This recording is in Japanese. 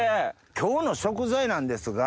今日の食材なんですが。